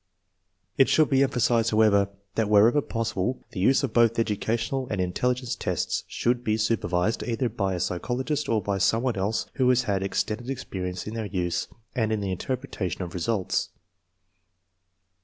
It should be emphasized, however, that wherever possible the use of both educational and in telligence tests should be supervised, either by a psy chologist or by some one else who has had extended experience in their use and in the interpretation of results.